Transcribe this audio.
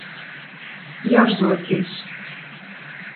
Jorzuotīs.